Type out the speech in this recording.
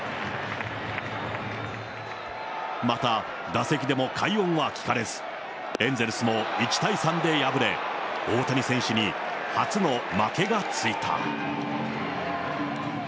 また、打席でも快音は聞かれず、エンゼルスも１対３で敗れ、大谷選手に初の負けがついた。